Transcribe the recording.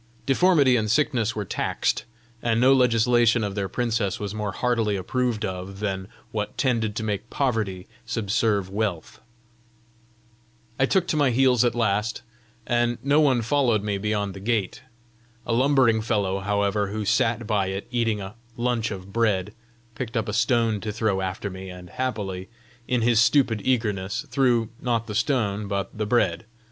Deformity and sickness were taxed; and no legislation of their princess was more heartily approved of than what tended to make poverty subserve wealth. I took to my heels at last, and no one followed me beyond the gate. A lumbering fellow, however, who sat by it eating a hunch of bread, picked up a stone to throw after me, and happily, in his stupid eagerness, threw, not the stone but the bread.